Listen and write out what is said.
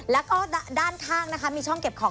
แล้วก็ด้านข้างนะคะมีช่องเก็บของ